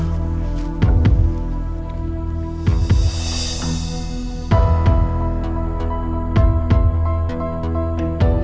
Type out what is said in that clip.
makin gara gara aja